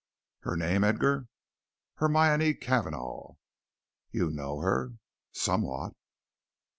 "Her name, Edgar?" "Hermione Cavanagh." "You know her?" "Somewhat."